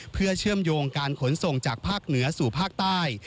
เพื่อเชื่อมโยงการขนส่งจากภาคเหนือสู่ภาคใต้